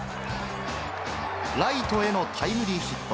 ライトへのタイムリーヒット。